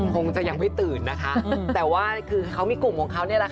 คงจะยังไม่ตื่นนะคะแต่ว่าคือเขามีกลุ่มของเขานี่แหละค่ะ